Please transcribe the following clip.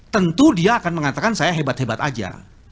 tentu dia akan mengatakan saya hebat hebat aja